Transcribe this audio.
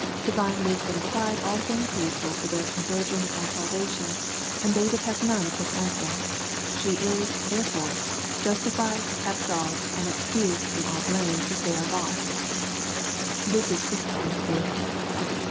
Divine wisdom tried all things needful for their conversion and salvation, and they would have none of her counseL She is, ^ therefore, justified, absolved and excused &om all bhme, if they arc lost'* This is Chrysostom*s view.